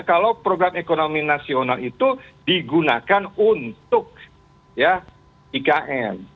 kalau program ekonomi nasional itu digunakan untuk ikn